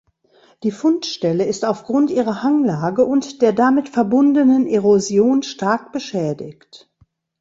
Die Fundstelle ist aufgrund ihrer Hanglage und der damit verbundenen Erosion stark beschädigt.